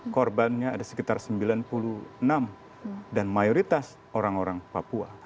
korbannya ada sekitar sembilan puluh enam dan mayoritas orang orang papua